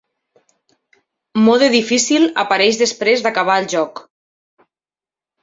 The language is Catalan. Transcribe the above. Mode difícil apareix després d'acabar el joc.